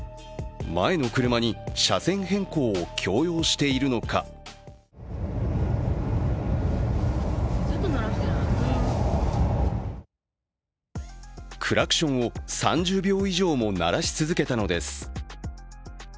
前の車に車線変更を強要しているのかクラクションを３０秒以上も鳴らし続けたのです。